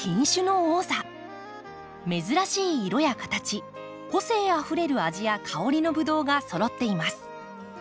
珍しい色や形個性あふれる味や香りのブドウがそろっています。